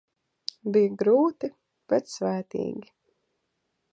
Bija grūti, bet svētīgi.